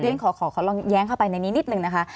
ฉันขอลองแย้งเข้าไปในนี้นิดนึงนะคะ